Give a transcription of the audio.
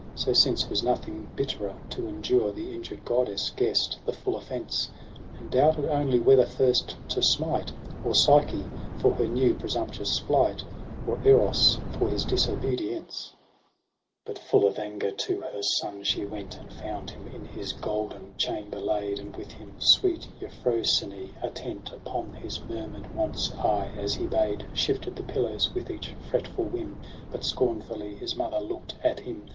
So, since was nothing bitterer to endure. The injured goddess guess'd the full offence : And doubted only whether first to smite Or Psyche for her new presumptuous flight, Or Eros for his disobedience. SEPTEMBER 15:3 But full of anger to her son she went. And found him in his golden chamber laid ; And with him sweet Euphrosyne, attent Upon his murmur'd wants, aye as he bade Shifted the pillows with each fretful whim ; But scornfully his mother look'd at him.